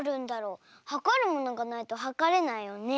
はかるものがないとはかれないよね。